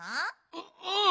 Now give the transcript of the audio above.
ううん。